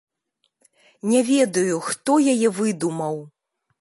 Не ведаю, хто яе выдумаў.